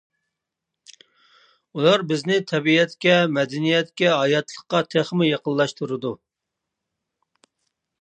ئۇلار بىزنى تەبىئەتكە، مەدەنىيەتكە، ھاياتلىققا تېخىمۇ يېقىنلاشتۇرىدۇ.